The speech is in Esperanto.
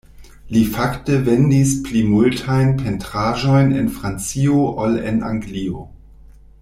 Li fakte vendis pli multajn pentraĵojn en Francio ol en Anglio.